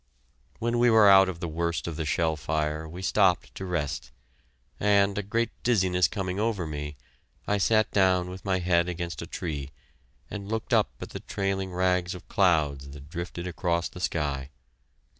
When we were out of the worst of the shell fire, we stopped to rest, and, a great dizziness coming over me, I sat down with my head against a tree, and looked up at the trailing rags of clouds that drifted across the sky.